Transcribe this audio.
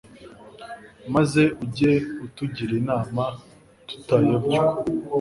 maze ujye utugira inama, tutayobywa